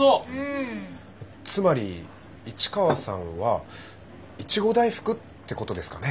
つまり市川さんはいちご大福ってことですかね？